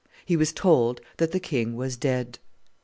He was told that the king was dead.